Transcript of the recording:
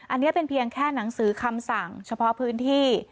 อันนี้เป็นเพียงแค่หนังสือคำสั่งเฉพาะพื้นที่